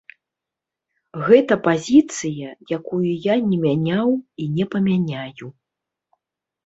Гэта пазіцыя, якую я не мяняў і не памяняю.